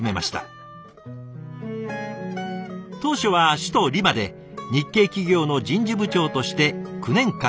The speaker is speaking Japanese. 当初は首都リマで日系企業の人事部長として９年間勤務。